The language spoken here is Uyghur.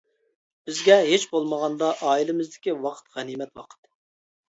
بىزگە ھېچبولمىغاندا، ئائىلىمىزدىكى ۋاقىت غەنىيمەت ۋاقىت.